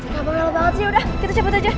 gak boleh lo banget sih udah kita cepet aja